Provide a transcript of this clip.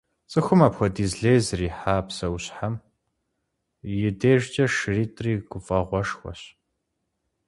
ЦӀыхум апхуэдиз лей зриха псэущхьэм и дежкӀэ шыритӏри гуфӏэгъуэшхуэщ.